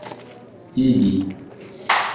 igi